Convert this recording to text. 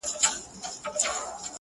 نسه ـ نسه جام د سوما لیري کړي ـ